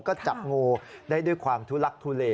ก็จับงูได้ด้วยความทุลักทุเล